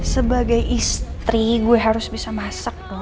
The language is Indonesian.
sebagai istri gue harus bisa masak tuh